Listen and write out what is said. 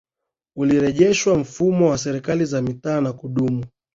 ulirejeshwa mfumo wa Serikali za Mitaa na kudumu